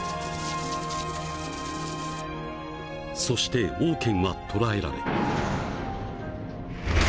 ［そしてオウケンは捕らえられ］